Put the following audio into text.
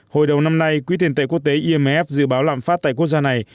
hồi đầu năm nay quỹ tiền tệ quốc tế imf dự báo lạm phát tại quốc gia này